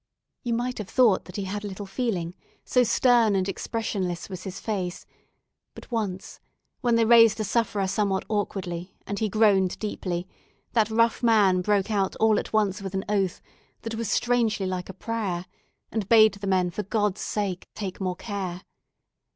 You might have thought that he had little feeling, so stern and expressionless was his face; but once, when they raised a sufferer somewhat awkwardly, and he groaned deeply, that rough man broke out all at once with an oath, that was strangely like a prayer, and bade the men, for God's sake, take more care.